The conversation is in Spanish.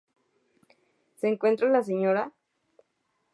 Se encuentra la Sra.